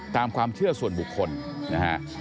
ตามความเชื่อส่วนบุคคลนะฮะ